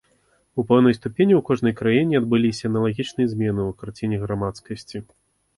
У пэўнай ступені ў кожнай краіне адбыліся аналагічныя змены у карціне грамадскасці.